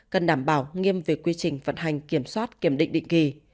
cần đảm bảo nghiêm về quy trình vận hành kiểm soát kiểm định định kỳ